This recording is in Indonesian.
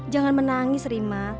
jangan menangis rima